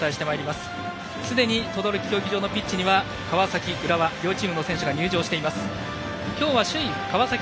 すでに等々力競技場のピッチには川崎、浦和両チームの選手が入場しています。